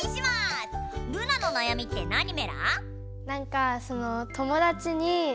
ルナのなやみって何メラ？